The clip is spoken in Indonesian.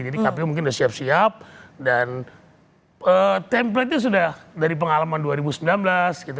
jadi kpu mungkin sudah siap siap dan template nya sudah dari pengalaman dua ribu sembilan belas gitu